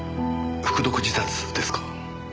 服毒自殺ですか。